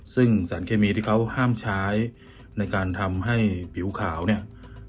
ซึ่งสารเคมีที่เขาห้ามใช้ในการทำให้ผิวขาวเนี่ย